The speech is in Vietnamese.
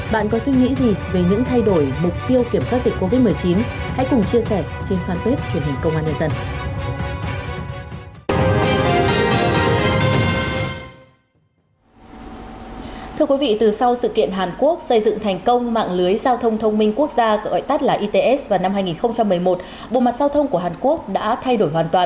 bạn có suy nghĩ gì về những thay đổi mục tiêu kiểm soát dịch covid một mươi chín